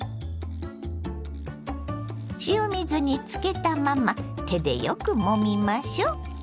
塩水につけたまま手でよくもみましょう。